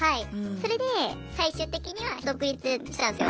それで最終的には独立したんですよ。